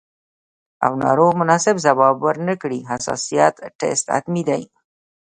او ناروغ مناسب ځواب ورنکړي، حساسیت ټسټ حتمي دی.